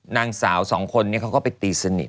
นางสาวสองคนนี้เขาก็ไปตีสนิท